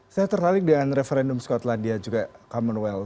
saya ternalik dengan referendum skotlandia juga commonwealth